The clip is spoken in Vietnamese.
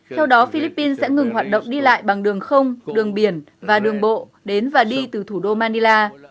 theo đó philippines sẽ ngừng hoạt động đi lại bằng đường không đường biển và đường bộ đến và đi từ thủ đô manila